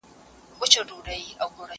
زه به سبا سپينکۍ پرېولم؟!